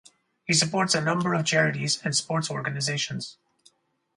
He supports a number of charities and sports organisations.